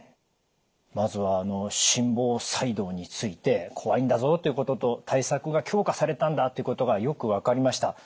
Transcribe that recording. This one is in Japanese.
まずはあの心房細動について怖いんだぞということと対策が強化されたんだということがよく分かりました。